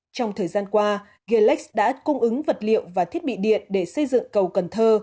trong thời gian qua geex đã cung ứng vật liệu và thiết bị điện để xây dựng cầu cần thơ